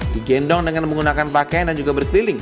digendong dengan menggunakan pakaian dan juga berkeliling